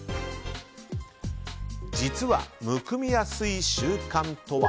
実はむくみやすい習慣とは。